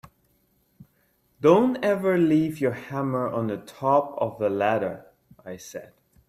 Don’t ever leave your hammer on the top of the ladder, I said.